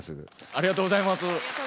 ありがとうございます。